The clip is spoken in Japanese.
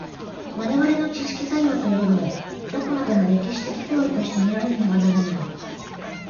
我々の知識作用というも、どこまでも歴史的行為として見られねばならない。